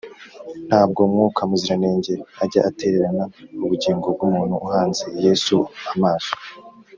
ntabwo mwuka muziranenge ajya atererana ubugingo bw’umuntu uhanze yesu amaso